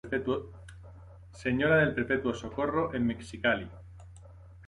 Señora del Perpetuo Socorro en Mexicali.